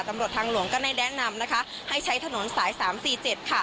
ตำรวจทางหลวงก็ได้แนะนำนะคะให้ใช้ถนนสายสามสี่เจ็ดค่ะ